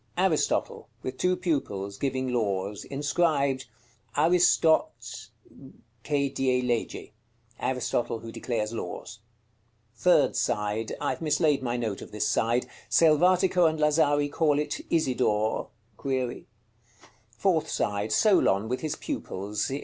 _ Aristotle, with two pupils, giving laws. Inscribed: "ARISTOT CHE DIE LEGE." Aristotle who declares laws. Third side. I have mislaid my note of this side: Selvatico and Lazari call it "Isidore" (?). Fourth side. Solon with his pupils.